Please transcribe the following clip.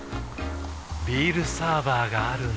ビールサーバーがある夏。